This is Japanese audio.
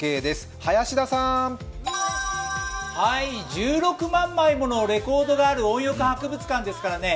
１６万枚ものレコードがある音浴博物館ですからね